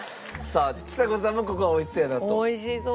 さあちさ子さんもここは美味しそうやなと？